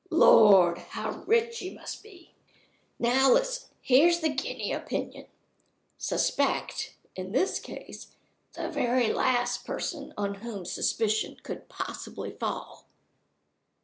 Lord! how rich you must be! Now listen. Here's the guinea opinion: Suspect, in this case, the very last person on whom suspicion could possibly fall."